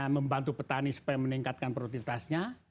membantu petani supaya meningkatkan produktivitasnya